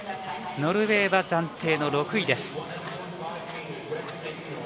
ノルウェーは暫定６位です。